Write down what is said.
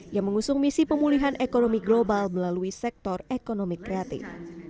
yang mengusung misi pemulihan ekonomi global melalui sektor ekonomi kreatif